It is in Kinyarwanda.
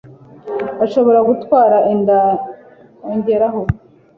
ashobora gutwara inda ongeraho